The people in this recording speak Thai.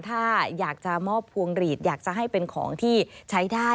ถ้าอยากจะมอบพวงหลีดอยากจะให้เป็นของที่ใช้ได้